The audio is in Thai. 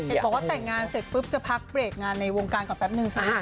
บอกว่าแต่งงานเสร็จปุ๊บจะพักเบรกงานในวงการก่อนแป๊บนึงใช่ไหม